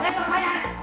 hei jangan lari lu